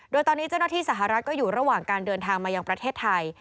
โดยตอนนี้เจ้าหน้าที่สหรัฐก็อยู่ระหว่างการเดินทางมายังประเทศไทย